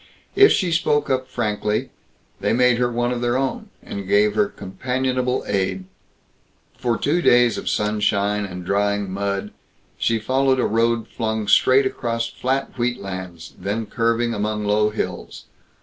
If she spoke up frankly, they made her one of their own, and gave her companionable aid. For two days of sunshine and drying mud she followed a road flung straight across flat wheatlands, then curving among low hills.